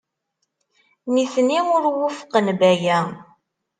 Nitni ur wufqen Baya.